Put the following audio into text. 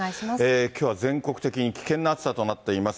きょうは全国的に危険な暑さとなっています。